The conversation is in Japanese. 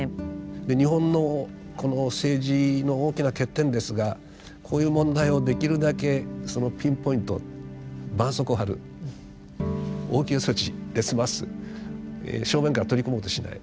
日本のこの政治の大きな欠点ですがこういう問題をできるだけそのピンポイントばんそうこうを貼る応急措置で済ます正面から取り組もうとしない。